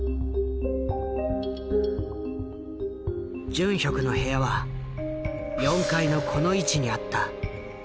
ジュンヒョクの部屋は４階のこの位置にあった。